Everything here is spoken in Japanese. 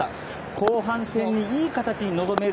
後半戦に、いい形で臨める